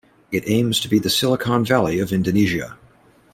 It aims to be the Silicon Valley of Indonesia.